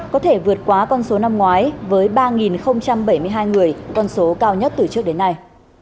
có thể vượt quá con số năm ngoái với ba bảy mươi hai người con số cao nhất từ trước đến nay